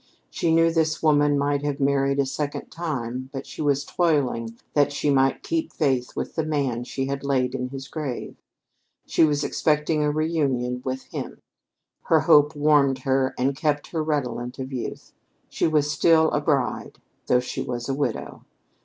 She knew this woman might have married a second time; but she was toiling that she might keep faith with the man she had laid in his grave. She was expecting a reunion with him. Her hope warmed her and kept her redolent of youth. She was still a bride, though she was a widow.